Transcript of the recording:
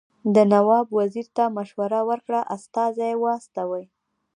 ده نواب وزیر ته مشوره ورکړه استازي واستوي.